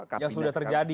kapten yang sudah terjadi